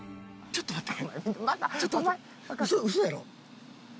ちょっと待って！